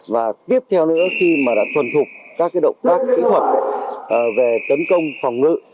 và tiếp theo nữa khi mà đã thuần thục các động tác kỹ thuật về tấn công phòng ngự